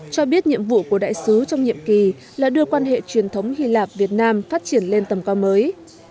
cho biết nhiệm vụ của đại sứ trong nhiệm kỳ là đưa quan hệ truyền thống hy lạp việt nam phát triển lên tầm cao mới